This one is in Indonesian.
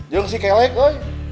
yang si kelek lo